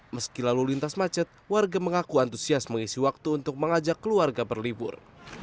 meski lalu lintas macet warga mengaku antusias mengisi waktu untuk mengajak keluarga berlibur